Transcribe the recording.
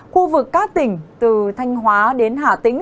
khu vực các tỉnh từ thanh hóa đến hà tĩnh